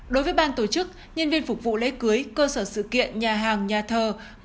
đối với ban tổ chức nhân viên phục vụ lễ cưới cơ sở sự kiện nhà hàng nhà thờ